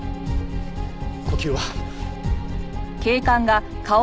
呼吸は。